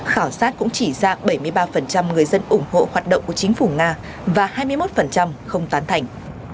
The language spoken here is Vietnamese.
khảo sát cũng chỉ dạng bảy mươi ba người dân ủng hộ hoạt động của chính phủ nga và hai mươi một không tán thành